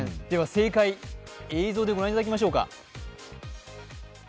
さて正解、映像で御覧いただきましょうか。